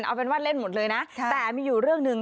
เอาเป็นว่าเล่นหมดเลยนะแต่มีอยู่เรื่องหนึ่ง